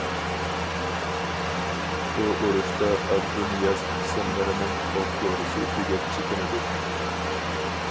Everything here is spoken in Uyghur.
بۇ ئۇرۇشتا ئابدۇنىياز قىسىملىرىنىڭ ئوق-دورىسى تۈگەپ چېكىنىدۇ.